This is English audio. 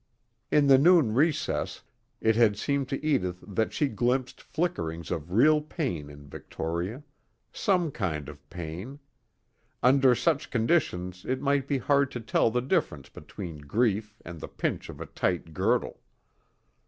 In the noon recess, it had seemed to Edith that she glimpsed flickerings of real pain in Victoria some kind of pain; under such conditions it might be hard to tell the difference between grief and the pinch of a tight girdle.